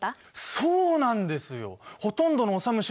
そうなんですよ